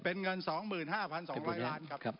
เป็นเงิน๒๕๒๐๐ล้านครับ